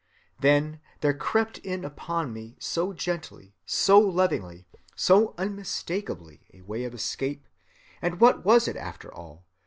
Then there crept in upon me so gently, so lovingly, so unmistakably, a way of escape, and what was it after all?